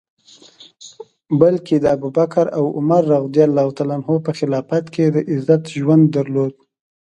بلکه د ابوبکر او عمر رض په خلافت کي یې د عزت ژوند درلود.